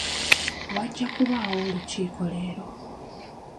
Wajja kubaawo olukiiko leero.